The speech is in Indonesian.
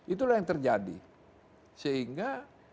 itulah yang terjadi sehingga